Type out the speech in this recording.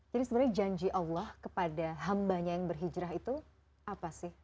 jadi sebenarnya janji allah kepada hambanya yang berhijrah itu apa sih